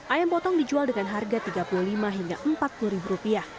ayam potong dijual dengan harga rp tiga puluh lima hingga rp empat puluh